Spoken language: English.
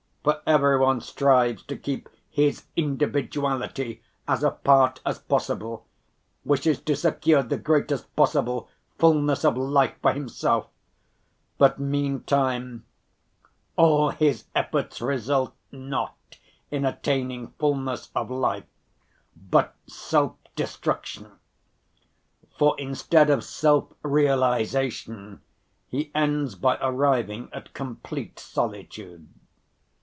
For every one strives to keep his individuality as apart as possible, wishes to secure the greatest possible fullness of life for himself; but meantime all his efforts result not in attaining fullness of life but self‐destruction, for instead of self‐realization he ends by arriving at complete solitude.